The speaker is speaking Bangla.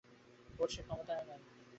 ওর সে ক্ষমতাই নাই।